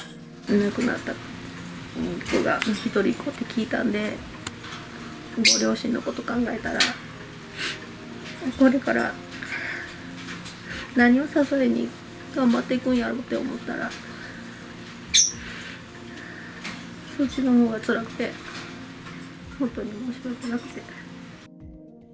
亡くなった子が一人っ子って聞いたんで、ご両親のこと考えたら、これから何を支えに頑張っていくんやろって思ったら、そっちのほうがつらくて、本当に申し訳なくて。